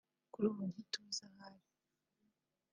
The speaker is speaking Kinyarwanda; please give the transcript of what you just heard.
“Kuri ubu ntituzi aho ari